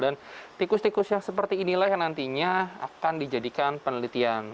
dan tikus tikus yang seperti inilah yang nantinya akan dijadikan penelitian